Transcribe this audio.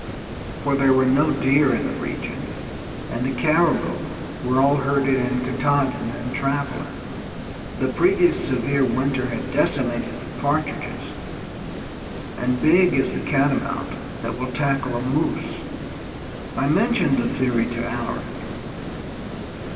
For there were no deer in the region, and the caribou were all herded on Katahdin and Traveller. The previous severe winter had decimated the partridges, and big is the catamount that will tackle a moose. I mentioned the theory to Alaric.